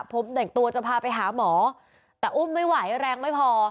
ผมแต่งตัวจะพาไปหาหมอแต่อุ้มไม่ไหวแรงไม่พอ